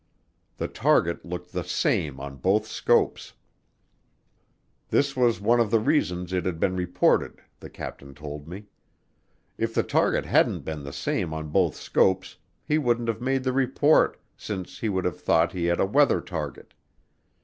The target looked the same on both scopes. This was one of the reasons it had been reported, the captain told me. If the target hadn't been the same on both scopes, he wouldn't have made the report since he would have thought he had a weather target.